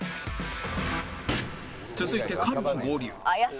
続いて菅も合流